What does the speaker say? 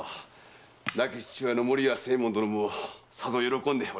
亡き父親の守屋仙右衛門殿もさぞ喜んでおられましょう。